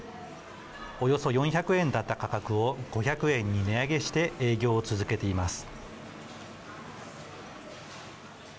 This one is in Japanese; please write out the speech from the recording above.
およそ４００円だった価格を５００円に値上げして営業を続けています。